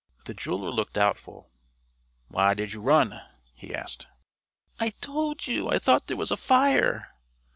The jeweler looked doubtful. "Why did you run?" he asked. "I told you, I thought there was a fire."